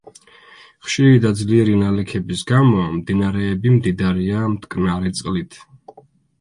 ხშირი და ძლიერი ნალექების გამო მდინარეები მდიდარია მტკნარი წყლით.